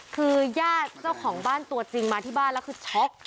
คือญาติเจ้าของบ้านตัวจริงมาที่บ้านแล้วคือช็อก